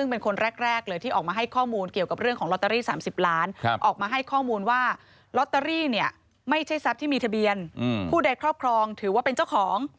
ผู้เด็กครอบครองถือว่าเป็นเจ้าของ